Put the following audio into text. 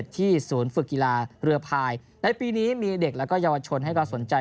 ที่ศูนย์ฟึกกีฬาเรือพายและปีนี้มีเด็กแล้วก็ยาวชนให้ก่อนสนใจ